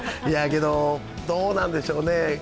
けど、どうなんでしょうね。